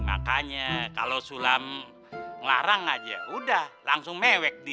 makanya kalau sulam ngelarang aja udah langsung mewek dia